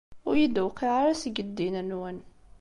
Ur iyi-d-tewqiɛ ara seg ddin-nwen.